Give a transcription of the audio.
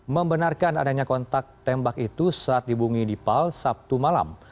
membenarkan adanya kontak tembak itu saat dibungi di pal sabtu malam